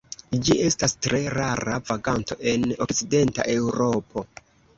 Ĝi estas tre rara vaganto en okcidenta Eŭropo.